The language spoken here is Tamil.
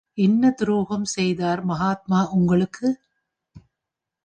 என்ன துரோகம் செய்தார் மகாத்மா உங்களுக்கு?